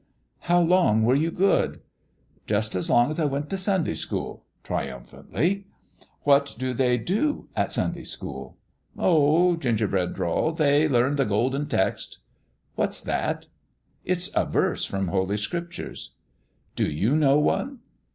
" How long were you good ?"" Jus' as long as I went t' Sunday school I " triumphantly. " What do they do at Sunday school ?"" Oh," Gingerbread drawled, " they learn the Golden Text." "What's that?" " It's a verse from Holy Scriptures." " Do you know one